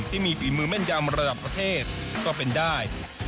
ฝีมือแม่นยำระดับประเทศก็เป็นได้